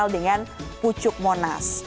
pertama di bagian bawahnya ada pucuk monas